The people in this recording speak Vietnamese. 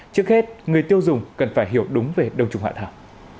trước hết người tiêu dùng cần phải hiểu đúng về đông trùng hạ thảo